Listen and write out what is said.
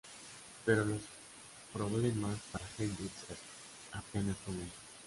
Pero los problemas para Hendrix apenas comienzan.